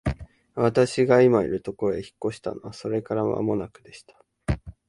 私が今居る家へ引っ越したのはそれから間もなくでした。